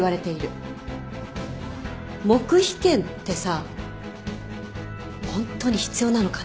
黙秘権ってさホントに必要なのかな？